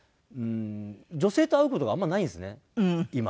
女性と会う事があんまりないんですね今。